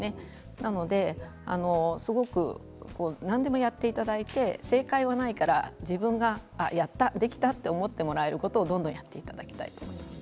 なので何でもやっていただいて正解はないから自分がやった、できたと思ってもらえることをどんどんやっていただきたいです。